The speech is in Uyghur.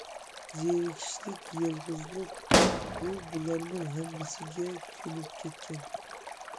زېرىكىشلىك، يالغۇزلۇق....... ئۇ بۇلارنىڭ ھەممىسىگە كۆنۈپ كەتكەن.